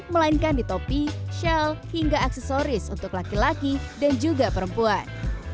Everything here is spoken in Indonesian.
melainkan di topi shell hingga aksesoris untuk laki laki dan juga perempuan